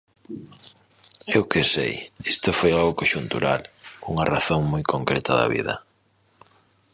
Eu que sei... Isto foi algo conxuntural, cunha razón moi concreta da vida.